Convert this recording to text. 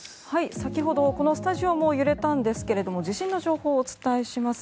先ほどこのスタジオも揺れたんですが地震の情報をお伝えします。